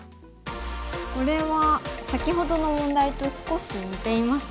これは先ほどの問題と少し似ていますが。